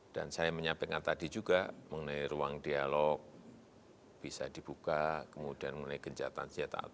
dan saya menyampaikan tadi juga mengenai ruang dialog bisa dibuka kemudian mengenai gencatan senjata